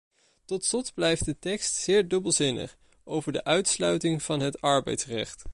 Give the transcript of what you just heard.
Tot slot blijft de tekst zeer dubbelzinnig over de uitsluiting van het arbeidsrecht.